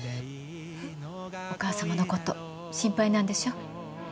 えっ？お母さまのこと心配なんでしょう？